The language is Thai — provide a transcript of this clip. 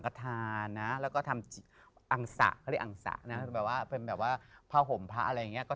เพราะว่าเมื่อคืนนี้พวกเราโดนผีหลอก